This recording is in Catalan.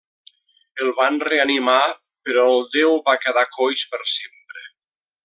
El van reanimar però el déu va quedar coix per sempre.